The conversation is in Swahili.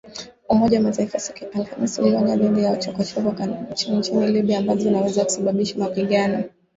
Umoja wa Mataifa siku ya Alhamis ulionya dhidi ya chokochoko nchini Libya ambazo zinaweza kusababisha mapigano